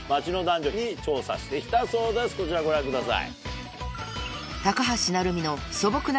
こちらご覧ください。